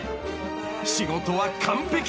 ［仕事は完璧］